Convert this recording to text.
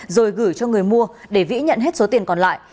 rồi gửi cho người mua để vĩ nhận hết số tiền còn lại